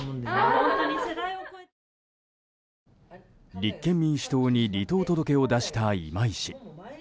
立憲民主党に離党届を出した今井氏。